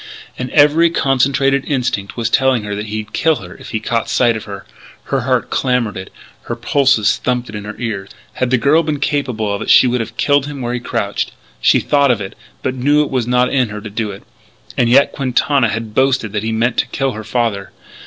And every concentrated instinct was telling her that he'd kill her if he caught sight of her; her heart clamoured it; her pulses thumped it in her ears. Had the girl been capable of it she could have killed him where he crouched. She thought of it, but knew it was not in her to do it. And yet Quintana had boasted that he meant to kill her father.